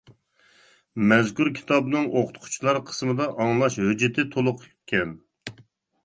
مەزكۇر كىتابنىڭ ئوقۇتقۇچىلار قىسىمدا ئاڭلاش ھۆججىتى تولۇقكەن.